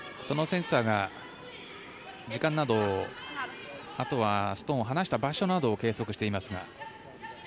そのセンサーが時間などあとはストーンを離した場所などを計測していますが。